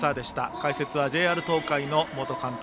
解説はＪＲ東海の元監督